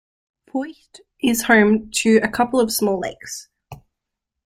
Feucht is home to a couple of small lakes.